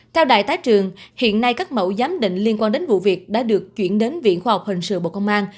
theo đại tá trường hiện nay các mẫu giám định liên quan đến vụ việc đã được chuyển đến viện khoa học hình sự bộ công an